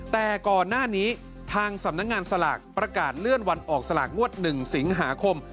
แต่ก่อนหน้านี้ทางสำนักงานสลากประกาศเลื่อนวันออกสลากงวด๑สิงหาคม